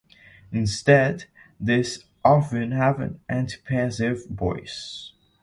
Instead, these often have an antipassive voice.